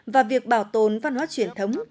và việc bảo tồn văn hoá truyền thống